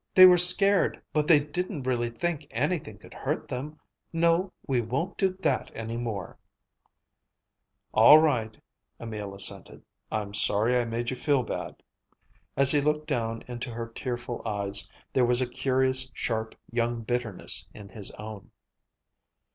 They were scared, but they didn't really think anything could hurt them. No, we won't do that any more." "All right," Emil assented. "I'm sorry I made you feel bad." As he looked down into her tearful eyes, there was a curious, sharp young bitterness in his own.